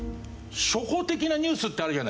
初歩的なニュースってあるじゃないですか。